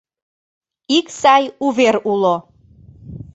Ик сай увер уло.